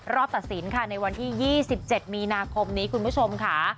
ตัดสินค่ะในวันที่๒๗มีนาคมนี้คุณผู้ชมค่ะ